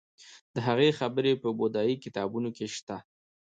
د هغه خبرې په بودايي کتابونو کې شته